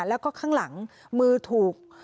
แล้วก็ข้างหลังมือถูก